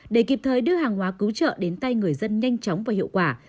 để kịp thời đưa hàng hóa cứu trợ đến tay người dân nhanh chóng và hiệu quả